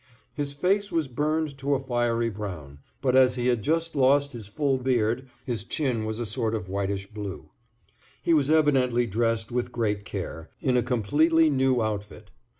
His face was burned to a fiery brown; but as he had just lost his full beard, his chin was a sort of whitish blue. He was evidently dressed with great care, in a completely new outfit.